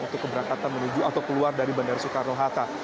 untuk keberangkatan menuju atau keluar dari bandara soekarno hatta